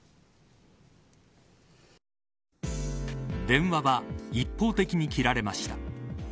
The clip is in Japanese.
電話は一方的に切られました。